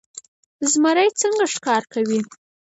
زمری څنګه ښکار کوي؟